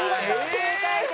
正解です。